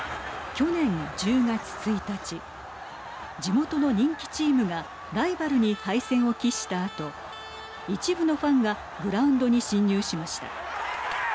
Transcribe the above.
去年１０月１日地元の人気チームがライバルに敗戦を喫したあと一部のファンがグラウンドに侵入しました。